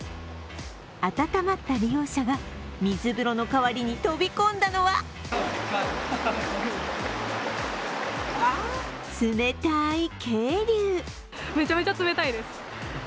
温まった利用者が水風呂の代わりに飛び込んだのは冷たい渓流。